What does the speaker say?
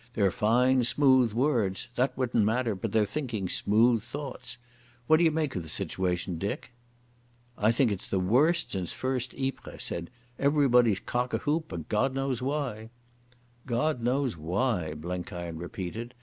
"They're fine at smooth words. That wouldn't matter, but they're thinking smooth thoughts. What d'you make of the situation, Dick?" "I think it's the worst since First Ypres," I said. "Everybody's cock a whoop, but God knows why." "God knows why," Blenkiron repeated.